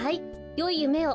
よいゆめを。